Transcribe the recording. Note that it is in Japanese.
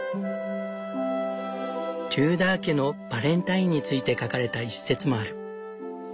テューダー家のバレンタインについて書かれた一節もある。